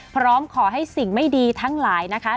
พร้อมขอให้สิ่งไม่ดีทั้งหลายนะคะ